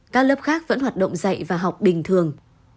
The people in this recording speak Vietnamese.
các lớp khác vẫn hoạt động dạy và học bình thường